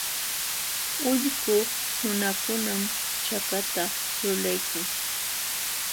Ullqu nunakunam chakata lulaykan.